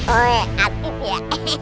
oe atit ya